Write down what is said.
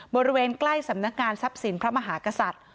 นักแก้ไกลสำนักงานทรัพย์ศิลป์มหากษัตริย์